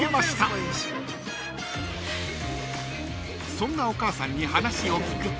［そんなお母さんに話を聞くと］